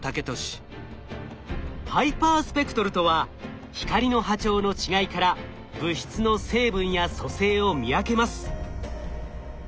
ハイパースペクトルとは光の波長の違いから物質の成分や組成を見分けます。